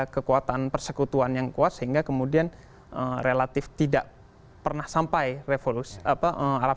kekuatan persekutuan yang kuat sehingga kemudian relatif tidak pernah sampai revolusi apa arab